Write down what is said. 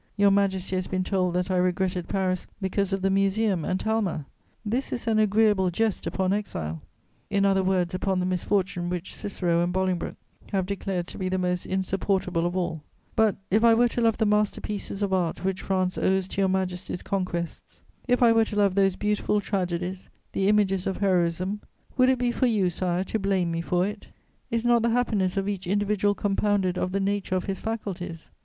Your Majesty has been told that I regretted Paris because of the Museum and Talma: this is an agreeable jest upon exile, in other words upon the misfortune which Cicero and Bolingbroke have declared to be the most insupportable of all; but, if I were to love the master pieces of art which France owes to Your Majesty's conquests, if I were to love those beautiful tragedies, the images of heroism: would it be for you, Sire, to blame me for it? Is not the happiness of each individual compounded of the nature of his faculties?